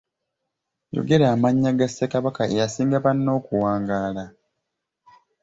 Yogera amannya ga Ssekabaka eyasinga banne okuwangaala.